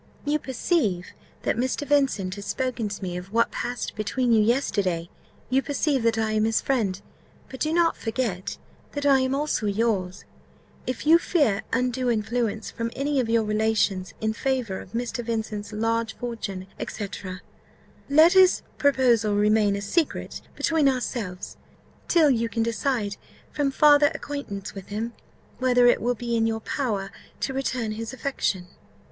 "You perceive that Mr. Vincent has spoken to me of what passed between you yesterday. You perceive that I am his friend, but do not forget that I am also yours. If you fear undue influence from any of your relations in favour of Mr. Vincent's large fortune, &c. let his proposal remain a secret between ourselves, till you can decide, from farther acquaintance with him, whether it will be in your power to return his affection."